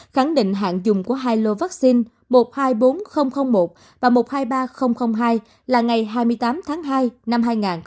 khẳng định hạn dùng của hai lô vaccine một trăm hai mươi bốn nghìn một và một trăm hai mươi ba nghìn hai là ngày hai mươi tám tháng hai năm hai nghìn hai mươi